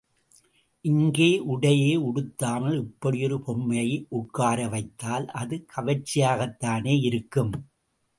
இங்கே உடையே உடுத்தாமல் இப்படி ஒரு பொம்மையை உட்காரவைத்தால் அது கவர்ச்சியாகத்தானே இருக்கும்.